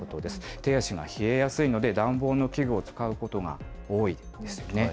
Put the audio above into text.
手足が冷えやすいので、暖房器具を使うことが多いんですね。